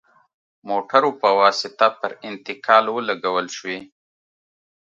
موټرو په واسطه پر انتقال ولګول شوې.